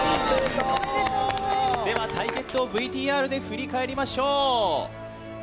対決をＶＴＲで振り返りましょう。